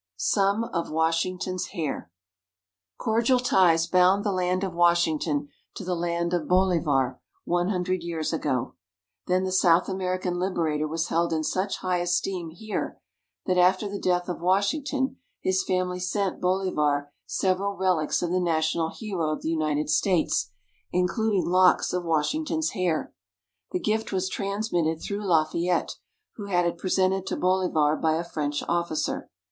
SOME OF WASHINGTON'S HAIR Cordial ties bound the land of Washington to the land of Bolivar one hundred years ago. Then the South American Liberator was held in such high esteem here, that after the death of Washington his family sent Bolivar several relics of the national hero of the United States, including locks of Washington's hair. The gift was transmitted through Lafayette, who had it presented to Bolivar by a French officer.